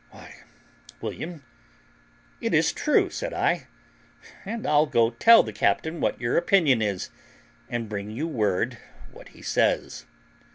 "Why, William, it is true," said I, "and I'll go tell the captain what your opinion is, and bring you word what he says."